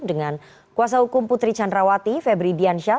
dengan kuasa hukum putri candrawati febri diansyah